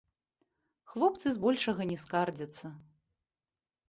Хлопцы збольшага не скардзяцца.